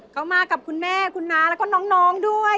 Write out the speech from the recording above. เขามากับคุณแม่คุณน้าแล้วก็น้องด้วย